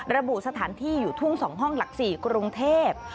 ระบุสถานที่อยู่ทุ่ง๒ห้องหลัก๔กรุงเทพ